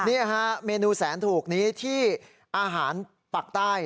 นี่ฮะเมนูแสนถูกนี้ที่อาหารปากใต้